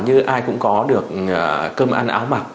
như ai cũng có được cơm ăn áo mặc